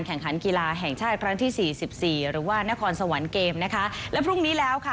แข่งขันกีฬาแห่งชาติครั้งที่สี่สิบสี่หรือว่านครสวรรค์เกมนะคะและพรุ่งนี้แล้วค่ะ